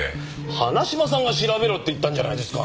花島さんが調べろって言ったんじゃないですか。